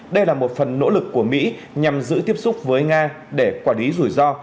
đây là một phần nỗ lực của mỹ nhằm giữ tiếp xúc với nga để quản lý rủi ro